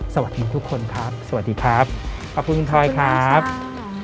สวัสดีทุกคนครับสวัสดีครับขอบคุณคุณพลอยครับขอบคุณคุณครับ